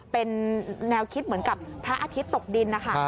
เป็นแนวคิดเหมือนกับพระอาทิตย์ตกดินนะคะ